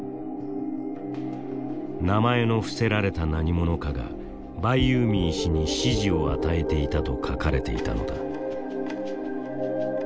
名前の伏せられた何者かがバイユーミー氏に指示を与えていたと書かれていたのだ。